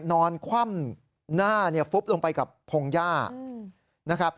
นอนคว่ำหน้าฟุบลงไปกับพงหญ้า